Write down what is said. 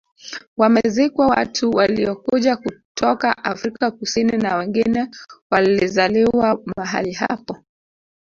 Wamezikwa watu waliokuja kutoka Afrika Kusini na wengine walizaliwa mahali hapo